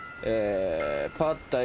パッタイ。